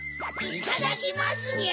いただきますにゃ！